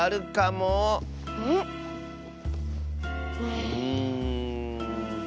うん。